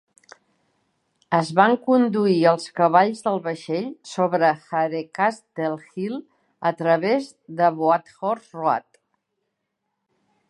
Es van conduir els cavalls del vaixell sobre Harecastle Hill a través de "Boathorse Road".